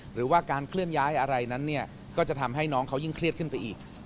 หรือว่าการเคลื่อนย้ายอะไรนั้นเนี่ยก็จะทำให้น้องเขายิ่งเครียดขึ้นไปอีก